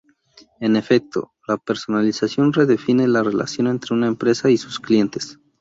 En efecto, la personalización redefine la relación entre una empresa y sus clientes.